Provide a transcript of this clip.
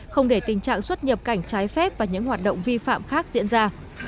không để tình trạng xuất nhập cảnh trái phép và những hoạt động vi phạm khác diễn ra